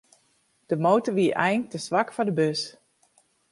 De motor wie eink te swak foar de bus.